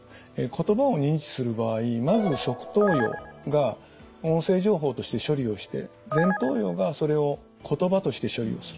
言葉を認知する場合まず側頭葉が音声情報として処理をして前頭葉がそれを言葉として処理をするということになります。